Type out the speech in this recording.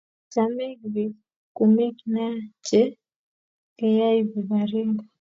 Chame pik kumik nea che kayapu Baringo